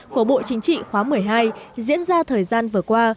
của bộ chính trị khóa một mươi hai diễn ra thời gian vừa qua